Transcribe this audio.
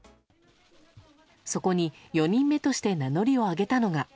そこに４人目として名乗りを上げたのが。